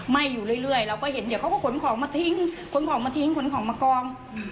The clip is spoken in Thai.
อยู่เรื่อยเราก็เห็นเดี๋ยวเขาก็ขนของมาทิ้งขนของมาทิ้งขนของมากอง